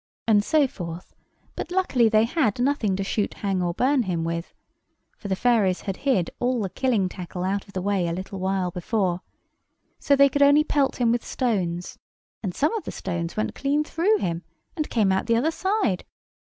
and so forth: but luckily they had nothing to shoot, hang, or burn him with, for the fairies had hid all the killing tackle out of the way a little while before; so they could only pelt him with stones; and some of the stones went clean through him, and came out the other side.